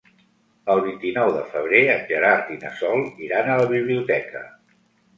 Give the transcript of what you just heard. El vint-i-nou de febrer en Gerard i na Sol iran a la biblioteca.